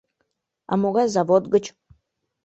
А могай завод гыч?